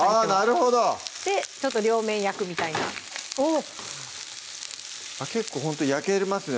なるほどでちょっと両面焼くみたいなあっ結構ほんと焼けますね